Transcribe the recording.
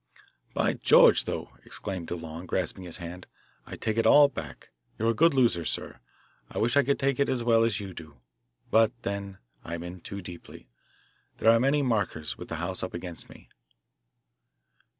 "By George though," exclaimed DeLong, grasping his hand. "I take it all back. You are a good loser, sir. I wish I could take it as well as you do. But then, I'm in too deeply. There are too many 'markers' with the house up against me."